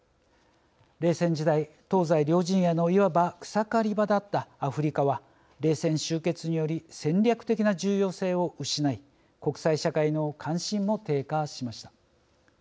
冷戦時代東西両陣営のいわば草刈り場だったアフリカは冷戦終結により戦略的な重要性を失い国際社会の関心も低下しました。